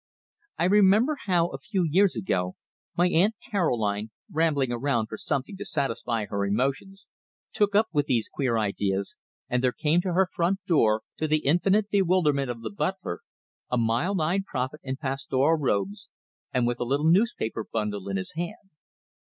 I remember how, a few years ago, my Aunt Caroline, rambling around looking for something to satisfy her emotions, took up with these queer ideas, and there came to her front door, to the infinite bewilderment of the butler, a mild eyed prophet in pastoral robes, and with a little newspaper bundle in his hand.